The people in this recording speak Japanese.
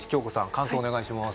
感想お願いします